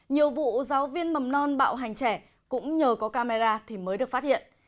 nhiều vụ giáo viên mầm non bạo hành trẻ cũng nhờ có camera thì mới được phát hiện